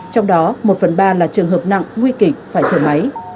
trong đó một phần ba là trường hợp nặng nguy kịch phải thở máy